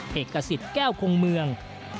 เหตุกศิษย์แก้วคงเมือง